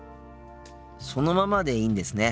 そのままでいいんですね。